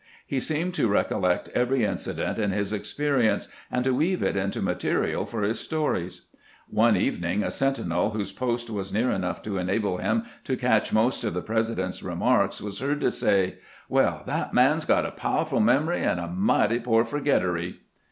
He seemed to recollect every incident in his ex perience and to weave it into material for his stories. One evening a sentinel whose post was near enough to enable him to catch most of the President's remarks was heard to say, " "Well, that man 's got a powerful memory and a mighty poor forgettery."